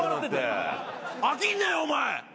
飽きんなよお前。